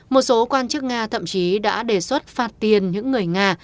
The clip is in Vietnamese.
một số quan chức nga thậm chí đã đề xuất phạt tiền những người nga